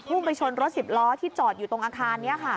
ไปชนรถ๑๐ล้อที่จอดอยู่ตรงอาคารนี้ค่ะ